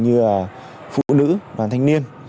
như phụ nữ đoàn thanh niên